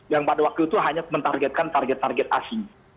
yang pada waktu itu hanya mentargetkan target target asing